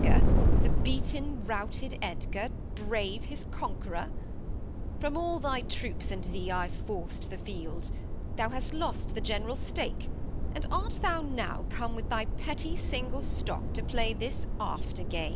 Bast. And dares Edgar, The beaten routed Edgar, brave his Conquerour ? From all thy Troops and Thee I forc't the Field, Thou hast lost the gen'ral Stake, and art thou now Come with thy petty single Stock to play This after Game